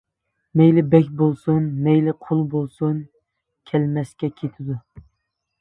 مەيلى بەگ بولسۇن، مەيلى قۇل بولسۇن، كەلمەسكە كېتىدۇ.